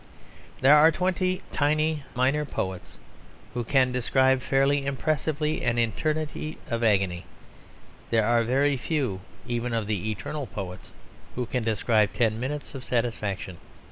There are twenty tiny minor poets who can describe fairly impressively an eternity of agony; there are very few even of the eternal poets who can describe ten minutes of satisfaction.